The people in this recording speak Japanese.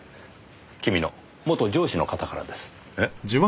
君の元上司の方からです。え？